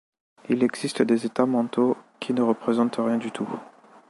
Il existe des états mentaux qui ne représentent rien du tout.